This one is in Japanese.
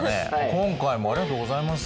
今回もありがとうございます。